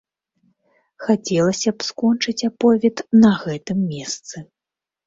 Хацелася б скончыць аповед на гэтым месцы.